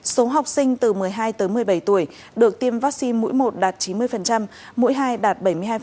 số học sinh từ một mươi hai tới một mươi bảy tuổi được tiêm vaccine mũi một đạt chín mươi mũi hai đạt bảy mươi hai